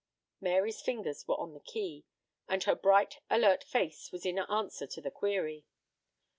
Mary's fingers were on the key, and her bright, alert face was an answer to the query.